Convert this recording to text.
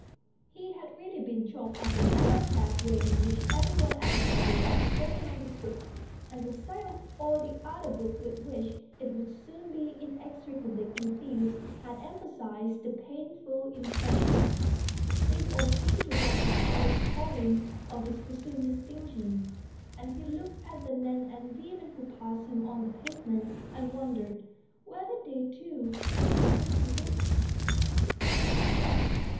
He had really been shocked at the matter of fact way in which every one at the office had spoken of his book, and the sight of all the other books with which it would soon be inextricably confused had emphasised the THE STORY OF A BOOK 129 painful impression. This all seemed to rob the author's calling of its presumed distinction, and he looked at the men and women who passed him on the pavement, and wondered whether they too had written books.